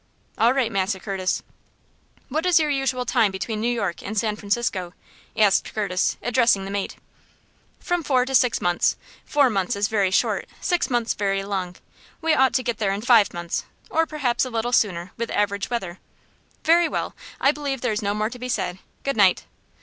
"All right, Massa Curtis." "What is your usual time between New York and San Francisco?" asked Curtis, addressing the mate. "From four to six months. Four months is very short, six months very long. We ought to get there in five months, or perhaps a little sooner, with average weather." "Very well. I believe there is no more to be said. Good night!"